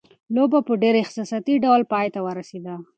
لوبه په ډېر احساساتي ډول پای ته ورسېده.